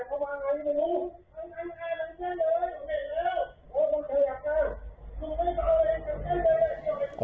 โอ้โฮนี่นะครับ